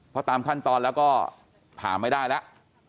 เพราะตามขั้นตอนแล้วก็ผ่าไม่ได้แล้ว